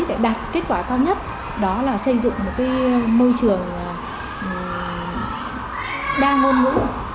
để đạt kết quả cao nhất đó là xây dựng một môi trường đa ngôn ngữ